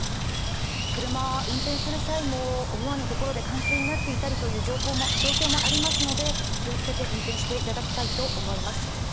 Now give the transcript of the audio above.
車、運転する際も思わぬところで冠水になっていたりという状況もありますので、気をつけて運転していただきたいと思います。